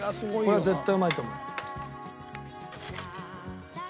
これ絶対うまいと思う。